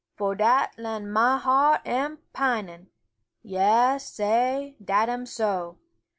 Fo' dat lan' mah heart am pinin' Yas, Sah, dat am so!